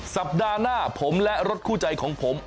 สัปดาห์หน้าผมและรถคู่ใจของผม